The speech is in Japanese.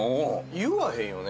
言わへんよね